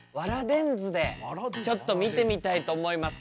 電図でちょっと見てみたいと思います。